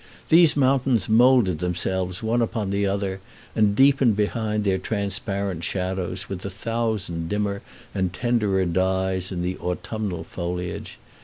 These mountains moulded themselves one upon another, and deepened behind their transparent shadows with a thousand dimmer and tenderer dyes in the autumnal foliage.